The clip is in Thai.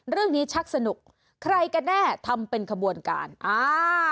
เรื่องนี้ชักสนุกใครก็แน่ทำเป็นขบวนการอ่า